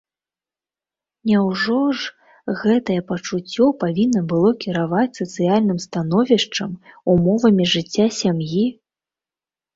Няўжо ж гэтае пачуццё павінна было кіраваць сацыяльным становішчам, умовамі жыцця сям'і?